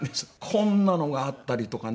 こんなのがあったりとかね。